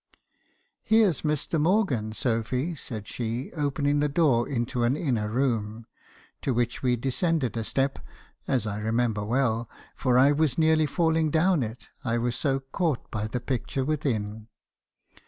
"' Here's Mr. Morgan, Sophy,' said she, opening the door into an inner room, to which we descended a step, as I remember well, — for I was nearly falling down it, I was so caught by the picture within.